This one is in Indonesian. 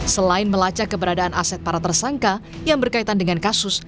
selain melacak keberadaan aset para tersangka yang berkaitan dengan kasus